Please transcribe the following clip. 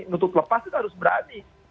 nutup lepas itu harus berani